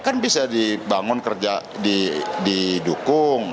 kan bisa dibangun kerja didukung